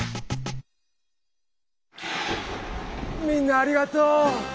みんなありがとう！